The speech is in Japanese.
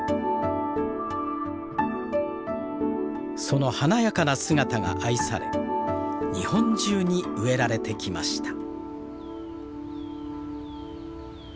その華やかな姿が愛され日本中に植えられてきました。